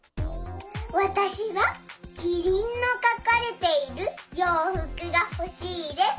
わたしはキリンのかかれているようふくがほしいです。